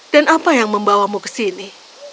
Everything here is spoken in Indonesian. dan apa yang membawamu ke sini